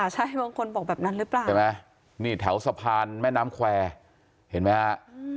ใช่บางคนบอกแบบนั้นหรือเปล่าใช่ไหมนี่แถวสะพานแม่น้ำแควร์เห็นไหมฮะ